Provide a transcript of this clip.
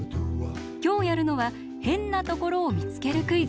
きょうやるのはへんなところをみつけるクイズ。